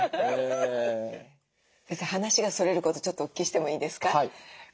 先生話がそれることちょっとお聞きしてもいいですか？